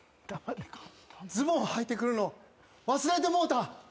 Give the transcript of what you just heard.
ズボンはいてくるの忘れてもうた。